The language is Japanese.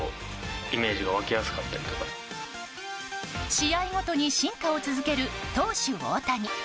試合ごとに進化を続ける投手・大谷。